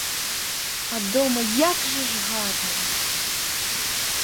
А дома як же ж гарно!